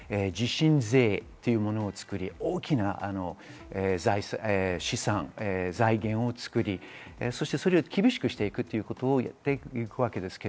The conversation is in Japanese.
地震税というものを作り、大きな資産・財源を作り、それを厳しくしていくことをやっていきます。